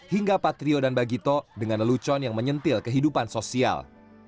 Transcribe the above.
hingga patrio dan bagito dengan lelucon yang menyentil kehidupan sosial